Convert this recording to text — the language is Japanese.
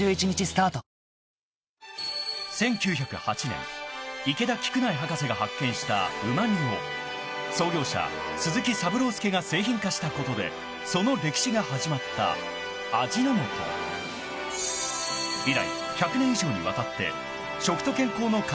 ［１９０８年池田菊苗博士が発見したうま味を創業者鈴木三郎助が製品化したことでその歴史が始まった味の素］［以来］